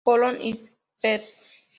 Colón y Servet.